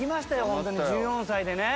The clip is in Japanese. ホントに１４歳でね。